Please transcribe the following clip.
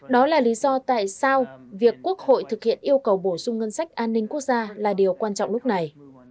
đó là lý do tại sao việc quốc hội thực hiện yêu cầu bổ sung ngân sách an ninh quốc gia là điều quan trọng lúc này